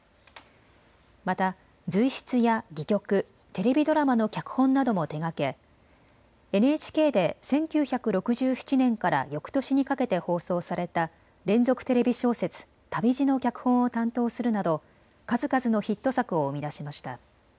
また随筆や戯曲、テレビドラマの脚本なども手がけＮＨＫで１９６７年からよくとしにかけて放送された連続テレビ小説旅路の脚本を担当するなど数々のヒット作を生み出しました。